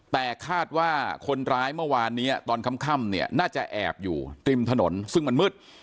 แต่คาดว่าคนร้ายเมื่อวานนี้ตอนค่ำเนี่ยน่าจะแอบอยู่ริมถนนซึ่งมันมืด